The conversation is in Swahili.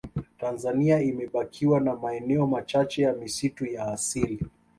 tanzania imebakiwa na maeneo machache ya misitu ya asili